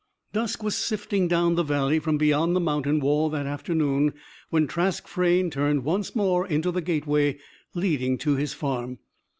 Dusk was sifting down the valley from beyond the mountain wall that afternoon, when Trask Frayne turned once more into the gateway leading to his farm.